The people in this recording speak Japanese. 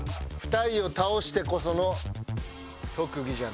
２人を倒してこその特技じゃない？